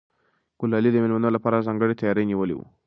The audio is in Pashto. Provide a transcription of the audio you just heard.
ګلالۍ د مېلمنو لپاره ځانګړی تیاری نیولی و.